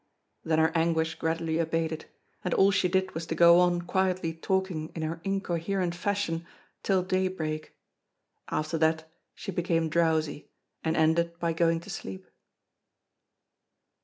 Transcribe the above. Then her anguish gradually abated, and all she did was to go on quietly talking in her incoherent fashion till daybreak. After that, she became drowsy, and ended by going to sleep.